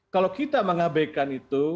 kalau kita mengabaikan itu